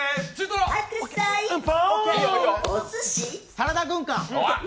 サラダ軍艦。